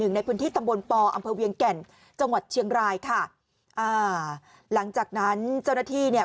ในพื้นที่ตำบลปอำเภอเวียงแก่นจังหวัดเชียงรายค่ะอ่าหลังจากนั้นเจ้าหน้าที่เนี่ย